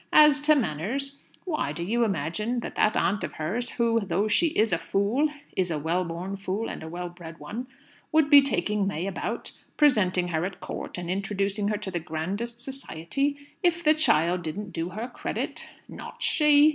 As to manners why, do you imagine that that aunt of hers, who though she is a fool, is a well born fool, and a well bred one would be taking May about, presenting her at Court, and introducing her to the grandest society, if the child didn't do her credit? Not she!